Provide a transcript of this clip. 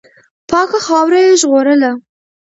پاکه خاوره یې ژغورله.